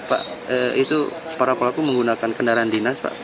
pak itu para pelaku menggunakan kendaraan dinas pak